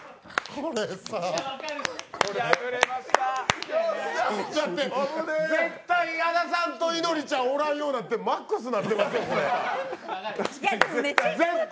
これさあこれ絶対矢田さんといのりちゃんおらんようになってマックスになってますよ、絶対。